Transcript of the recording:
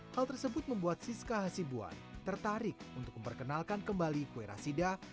hal tersebut membuat siska hasibuan tertarik untuk memperkenalkan kembali kue rasida